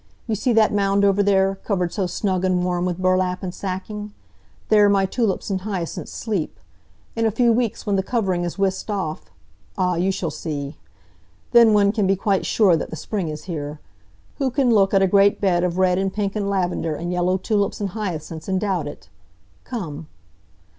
You see that mound over there, covered so snug and warm with burlap and sacking? There my tulips and hyacinths sleep. In a few weeks, when the covering is whisked off ah, you shall see! Then one can be quite sure that the spring is here. Who can look at a great bed of red and pink and lavender and yellow tulips and hyacinths, and doubt it? Come."